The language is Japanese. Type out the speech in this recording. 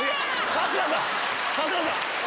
春日さん！